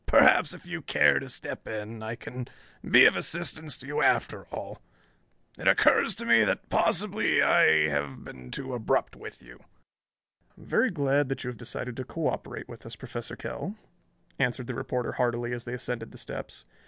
"Perhaps if you care to step in I can be of assistance to you after all. It occurs to me that possibly I have been too abrupt with you." "I am very glad that you have decided to cooperate with us, Professor Kell," answered the reporter heartily, as they ascended the steps.